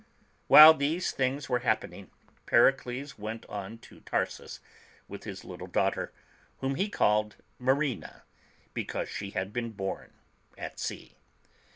While these things were happening, Pericles went on to Tarsus with his little daughter, whom he called Marina, because she had been born at sea.